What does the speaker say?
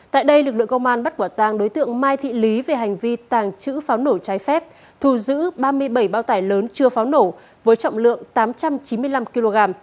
tại đây lực lượng công an bắt quả tàng đối tượng mai thị lý về hành vi tàng trữ pháo nổ trái phép thu giữ ba mươi bảy bao tải lớn chưa pháo nổ với trọng lượng tám trăm chín mươi năm kg